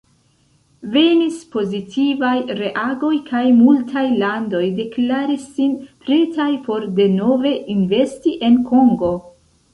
Venis pozitivaj reagoj kaj multaj landoj deklaris sin pretaj por denove investi en Kongo.